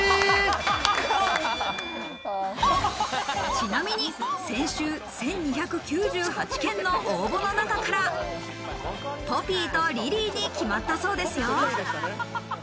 ちなみに先週１２９８件の応募の中からポピーとリリーに決まったそうですよ。